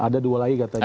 ada dua lagi katanya